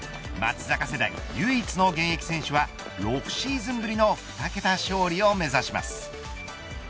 松坂世代唯一の現役選手は６シーズンぶりの２桁勝利を目指します。